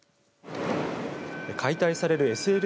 解体されるＳＬ